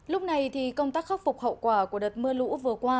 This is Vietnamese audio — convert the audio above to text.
lúc này thì công tác khắc phục hậu quả của đợt mưa lũ vừa qua